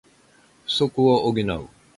不足を補う